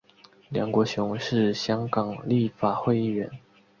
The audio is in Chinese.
梁国雄是香港立法会议员。